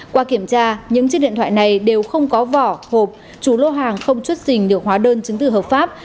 qua kiểm tra những chiếc điện thoại này đều không có vỏ hộp chú lô hàng không chút xình được hóa đơn chứng từ hợp pháp